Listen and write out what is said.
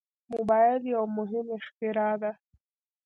موبایل یو مهم اختراع ده.